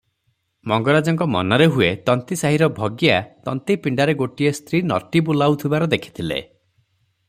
ମଙ୍ଗରାଜଙ୍କ ମନରେ ହୁଏ ତନ୍ତୀ ସାହିର ଭଗିଆ ତନ୍ତୀ ପିଣ୍ତାରେ ଗୋଟିଏ ସ୍ତ୍ରୀ ନଟି ବୁଲାଉଥିବାର ହେଖିଥିଲେ ।